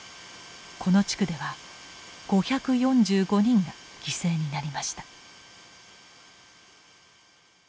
この地区では５４５人が犠牲になりました。